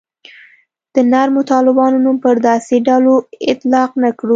د نرمو طالبانو نوم پر داسې ډلو اطلاق نه کړو.